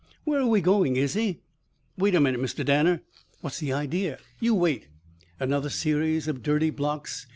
"Where are we going, Izzie?" "Wait a minute, Mr. Danner." "What's the idea?" "You wait." Another series of dirty blocks.